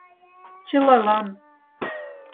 Чылалан!